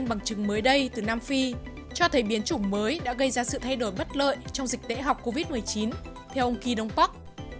bằng chứng mới đây từ nam phi cho thấy biến chủng mới đã gây ra sự thay đổi bất lợi trong dịch tễ học covid một mươi chín theo ông kỳ đông bắc